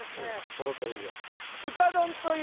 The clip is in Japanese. とろけるぐらい。